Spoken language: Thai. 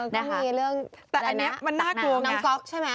นี้มันน่ากลัว